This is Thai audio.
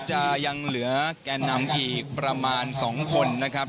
จะยังเหลือแก่นำอีกประมาณ๒คนนะครับ